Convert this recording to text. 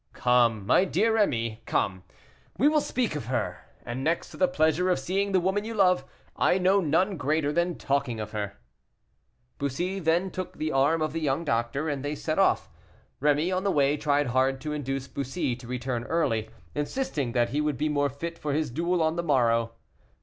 "Come, my dear Rémy, come. We will speak of her; and next to the pleasure of seeing the woman you love, I know none greater than talking of her." Bussy then took the arm of the young doctor, and they set off. Rémy on the way tried hard to induce Bussy to return early, insisting that he would be more fit for his duel on the morrow.